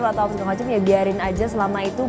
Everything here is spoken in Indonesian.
atau apa apa ya biarin aja selama itu